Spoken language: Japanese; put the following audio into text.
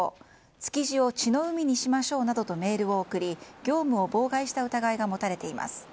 築地を血の海にしましょうなどとメールを送り業務を妨害した疑いが持たれています。